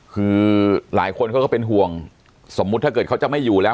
คือหลายคนเขาก็เป็นห่วงสมมุติถ้าเกิดเขาจะไม่อยู่แล้ว